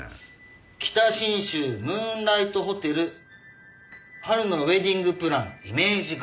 「北信州ムーンライトホテル春のウェディングプランイメージガール」か。